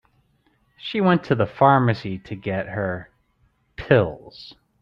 She went to the pharmacy to get her pills.